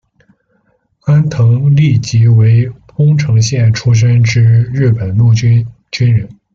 安藤利吉为宫城县出身之日本陆军军人。